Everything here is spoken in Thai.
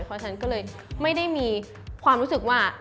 เพราะฉะนั้นก็เลยไม่ได้มีความรู้สึกว่า